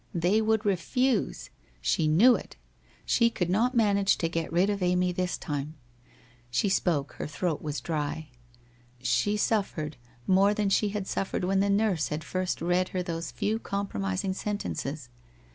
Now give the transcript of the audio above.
They would refuse. She knew it. She could not manage to get rid of Amy this time. She spoke, her throat was dry. She suffered, more than she had suffered when the nurse had first read her those few compromising sentences.